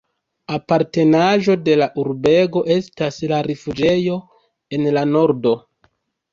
Apartenaĵo de la urbego estas la rifuĝejo en la nordo.